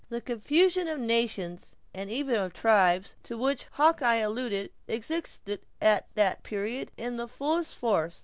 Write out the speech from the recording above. The confusion of nations, and even of tribes, to which Hawkeye alluded, existed at that period in the fullest force.